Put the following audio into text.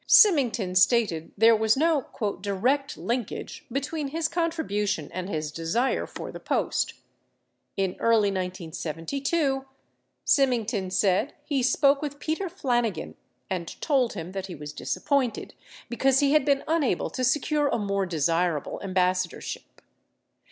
Syming ton stated there was no "direct linkage" between his contribution and his desire for the post. In early 1972, Symington said, he spoke with Peter Flanigan, and told him that he was disappointed because he had been unable to secure a more desirable ambassadorship.